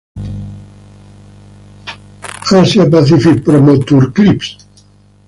Asia Pacific Promo Tour Clips